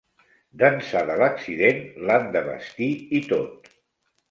D'ençà de l'accident, l'han de vestir i tot.